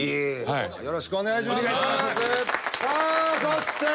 よろしくお願いします。